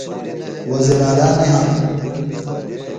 وزیر اعلا نہ یھاندوۡ۔